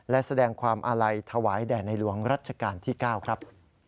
และแสดงความอาลัยถวายแด่ในหลวงรัชกาลที่๙ครับ